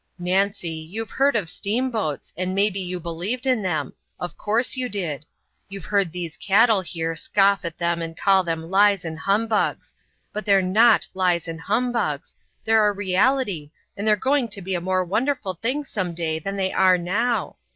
Nancy, you've heard of steamboats, and maybe you believed in them of course you did. You've heard these cattle here scoff at them and call them lies and humbugs, but they're not lies and humbugs, they're a reality and they're going to be a more wonderful thing some day than they are now.